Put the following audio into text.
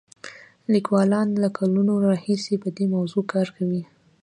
لیکوالان له کلونو راهیسې په دې موضوع کار کوي.